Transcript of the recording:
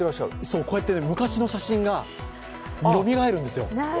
こうやって昔の写真がよみがえるんですよ。